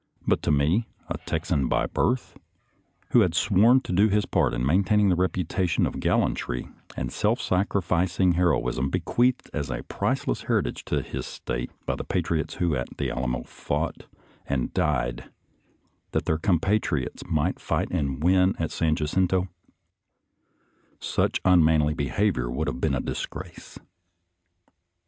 But to me, a Texan by birth, who had sworn to do his part in maintaining the reputation for gallantry and self sacrificing heroism bequeathed as a priceless heritage to his State by the patriots who at the Alamo fought and died that their compatriots might fight and win at San Jacinto, such un manly behavior would have been a disgrace.